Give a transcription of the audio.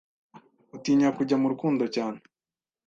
utinya kujya murukundo cyane